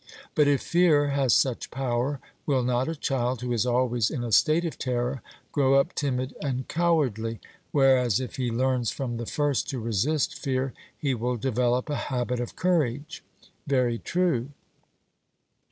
But if fear has such power, will not a child who is always in a state of terror grow up timid and cowardly, whereas if he learns from the first to resist fear he will develop a habit of courage? 'Very true.'